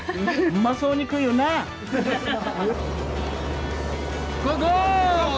うまそうに食うよな！